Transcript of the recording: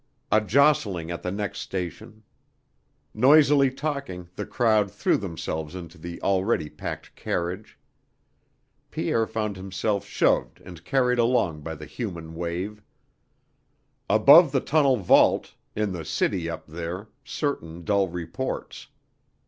A jostling at the next station. Noisily talking, the crowd threw themselves into the already packed carriage. Pierre found himself shoved and carried along by the human wave. Above the tunnel vault, in the city up there, certain dull reports.